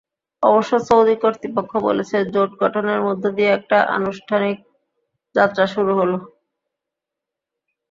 অবশ্য সৌদি কর্তৃপক্ষ বলেছে, জোট গঠনের মধ্য দিয়ে একটা আনুষ্ঠানিক যাত্রা শুরু হলো।